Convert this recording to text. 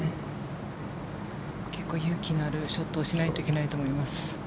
結構勇気のあるショットをしないといけないと思います。